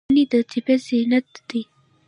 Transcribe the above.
ونې د طبیعت زینت دي.